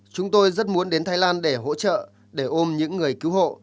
chúng tôi rất muốn đến thái lan để hỗ trợ để ôm những người cứu hộ